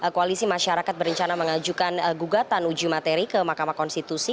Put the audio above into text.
koalisi masyarakat berencana mengajukan gugatan uji materi ke mahkamah konstitusi